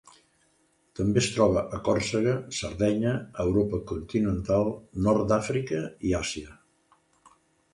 També es troba a Còrsega, Sardenya, Europa continental, nord d'Àfrica i Àsia.